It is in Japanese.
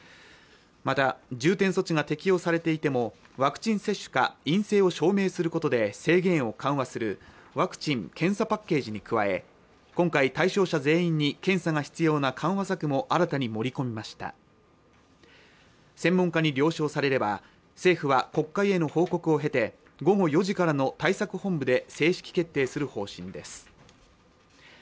また重点措置が適用されていてもワクチン接種か陰性を証明することで制限を緩和するワクチン検査パッケージに加え今回対象者全員に検査が必要な緩和策も新たに盛り込みました専門家に了承されれば政府は国会への報告を経て午後４時からの対策本部で正式決定する方針です